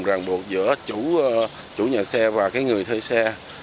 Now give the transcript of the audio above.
đồng ràng buộc giữa chủ nhà xe và người thuê xe